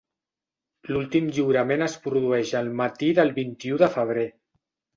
L'últim lliurament es produeix el matí del vint-i-u de febrer.